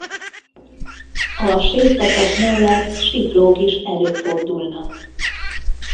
A Séd-patak mellett siklók is előfordulnak.